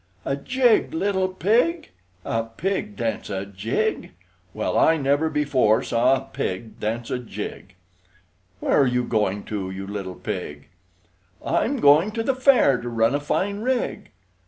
A jig, little pig! A pig dance a jig! Well, I never before saw a pig dance a jig! Where are you going to, you little pig? "I'm going to the fair to run a fine rig!"